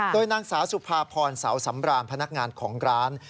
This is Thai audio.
โดยนางสาวสุภาพรเสาสำราญพนักงานของร้าน